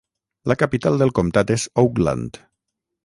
La capital del comtat és Oakland.